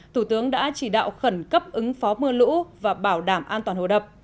thủ tướng đã chỉ đạo khẩn cấp ứng phó mưa lũ và bảo đảm an toàn hồ đập